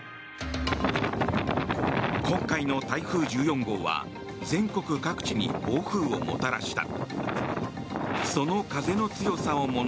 今回の台風１４号は全国各地に暴風をもたらした。